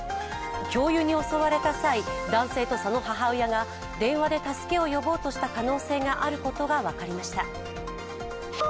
教諭に教われた際、男性とその母親が電話で助けを呼ぼうとした可能性があることが分かりました。